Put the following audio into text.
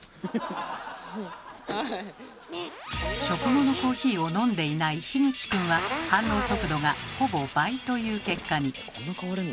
食後のコーヒーを飲んでいないひぐち君は反応速度がほぼ倍という結果に。